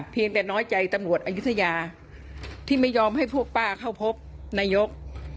แต่น้อยใจตำรวจอายุทยาที่ไม่ยอมให้พวกป้าเข้าพบนายก